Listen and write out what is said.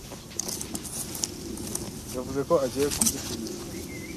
yavuze ko agiye kubisubiza.